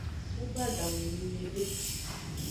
Edo adangu nung nyiude.